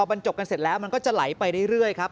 บรรจบกันเสร็จแล้วมันก็จะไหลไปเรื่อยครับ